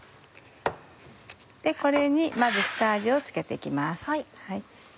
これにまず下味を付けて行きます。